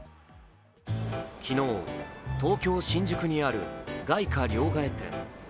昨日、東京・新宿にある外貨両替店。